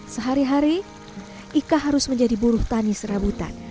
sehari hari ika harus menjadi buruh tani serabutan